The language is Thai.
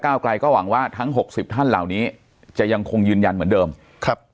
ไกลก็หวังว่าทั้งหกสิบท่านเหล่านี้จะยังคงยืนยันเหมือนเดิมครับ